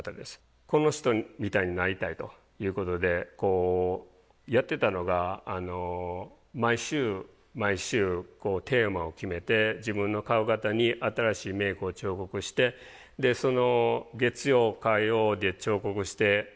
この人みたいになりたいということでやってたのが毎週毎週テーマを決めて自分の顔型に新しいメイクを彫刻してその月曜火曜で彫刻して水曜日に型取って